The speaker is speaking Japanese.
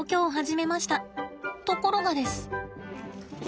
ところがです。